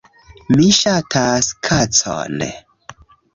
Mi ŝatas kacon